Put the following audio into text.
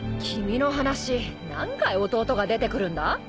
君の話何回弟が出てくるんだ？